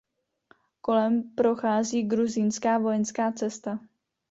Kolem prochází Gruzínská vojenská cesta.